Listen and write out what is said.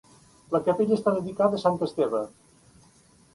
La capella està dedicada a Sant Esteve.